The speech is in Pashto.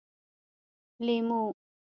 🍋 لېمو